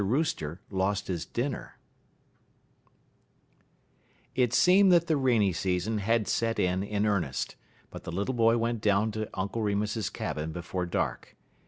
ROOSTER LOST HIS DINNER It seemed that the rainy season had set in in earnest, but the little boy went down to Uncle Remus's cabin before dark.